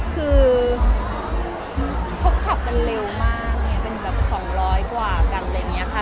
คือเขาขับกันเร็วมากอย่างเงี้ยเป็นแบบสองร้อยกว่ากันอะไรอย่างเงี้ยค่ะ